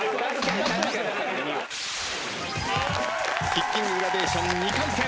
キッキンググラデーション２回戦。